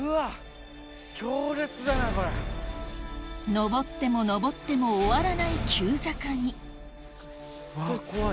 登っても登っても終わらない急坂にうわ怖い。